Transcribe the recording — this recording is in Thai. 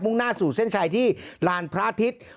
่งหน้าสู่เส้นชัยที่ลานพระอาทิตย์